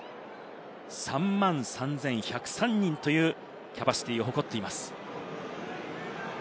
３万３１０３人というキャパシティを誇っています。